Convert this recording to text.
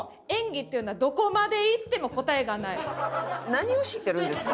何を知ってるんですか？